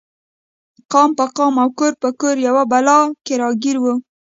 قام په قام او کور په کور یوې بلا کې راګیر و.